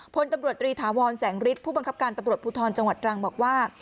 พลตำรวจรีถาวรแสงฤทธิผู้บังคับการตำรวจภูทรจังหวัดตรังบอกว่า